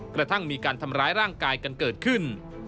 กระทั่งมีการทำร้ายร่างกายกันเกิดขึ้น